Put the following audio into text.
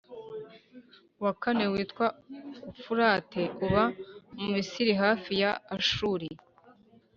Uwa kane witwa Ufurate uba mumisiri hafi ya ashuri